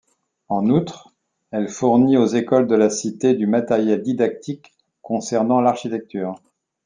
En outre, elle fournit aux écoles de la cité du matériel didactique concernant l'architecture.